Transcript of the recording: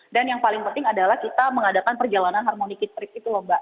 dan yang paling penting adalah kita mengadakan perjalanan harmoni kid trip itu loh mbak